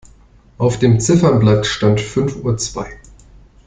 Auf dem Ziffernblatt stand fünf Uhr zwei.